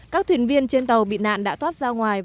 các thuyền viên trên tàu bị nạn đã thoát ra ngoài